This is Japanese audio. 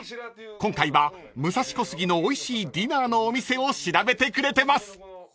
［今回は武蔵小杉のおいしいディナーのお店を調べてくれてます］